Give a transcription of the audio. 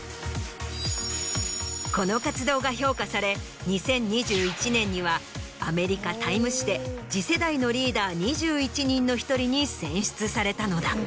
この活動が評価され２０２１年にはアメリカ『ＴＩＭＥ』誌で次世代のリーダー２１人の１人に選出されたのだ。